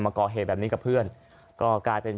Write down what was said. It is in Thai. มาก่อเหตุแบบนี้กับเพื่อนก็กลายเป็น